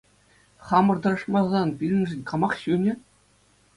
Хамӑр тӑрӑшмасан пирӗншӗн камах ҫунӗ?